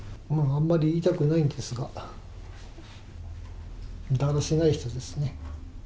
あんまり言いたくないんですが、だらしない人ですね。